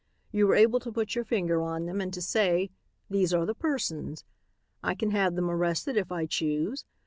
You are able to put your finger on them and to say, 'These are the persons.' I can have them arrested if I choose.